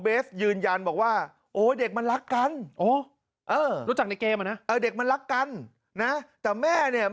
ยืนยันบอกว่าโอ้เด็กมันรักกันรู้จักในเกมอะนะเด็กมันรักกันนะแต่แม่เนี่ย